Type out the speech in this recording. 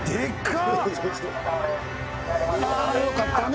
いやよかったね。